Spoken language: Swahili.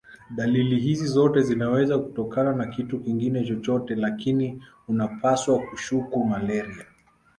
Dalili hizi zote zinaweza kutokana na kitu kingine chochote lakini unapaswa kushuku malaria